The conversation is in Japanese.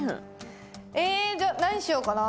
えーっじゃあ何しようかな？